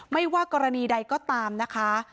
ไม่ว่ากรณีใดก็ตามนะคะ